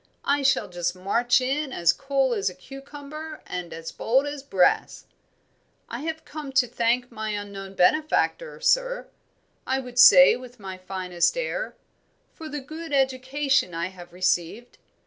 "I shall just march in as cool as a cucumber, and as bold as brass. 'I have come to thank my unknown benefactor, sir,' I would say with my finest air, 'for the good education I have received.